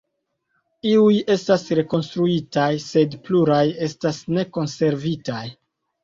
Iuj estas rekonstruitaj, sed pluraj estas ne konservitaj.